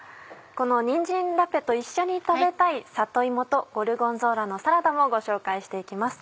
このにんじんラペと一緒に食べたい里芋とゴルゴンゾーラのサラダもご紹介して行きます。